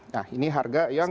nah ini harga yang